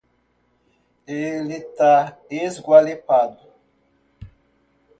Ele tá esgualepado